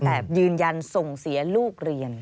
แต่ยืนยันส่งเสียลูกเรียน